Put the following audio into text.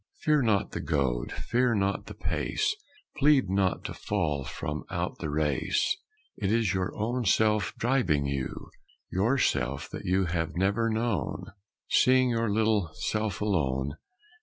Fear not the goad, fear not the pace, Plead not to fall from out the race It is your own Self driving you, Your Self that you have never known, Seeing your little self alone.